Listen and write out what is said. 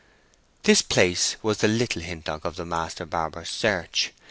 This place was the Little Hintock of the master barber's search.